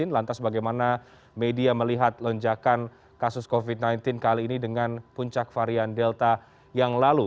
lantas bagaimana media melihat lonjakan kasus covid sembilan belas kali ini dengan puncak varian delta yang lalu